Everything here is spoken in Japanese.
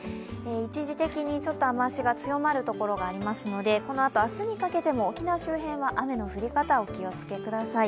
一時的に雨足が強まる所がありますのでこのあと明日にかけても沖縄周辺は雨の降り方、お気をつけください。